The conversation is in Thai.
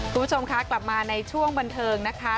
คุณผู้ชมคะกลับมาในช่วงบันเทิงนะคะ